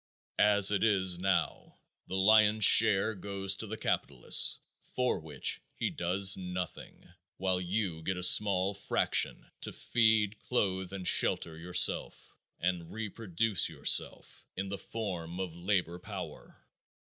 As it is now the lion's share goes to the capitalist for which he does nothing, while you get a small fraction to feed, clothe and shelter yourself, and reproduce yourself in the form of labor power.